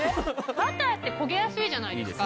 バターって焦げやすいじゃないですか。